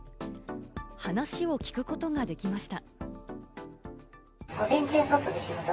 話を聞くことができました。